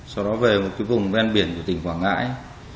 sau đó về một vùng ven biển của tỉnh quảng ngãi